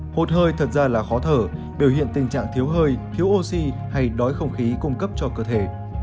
hụt hơi thật ra là khó thở biểu hiện tình trạng thiếu hơi thiếu oxy hay đói không khí cung cấp cho cơ thể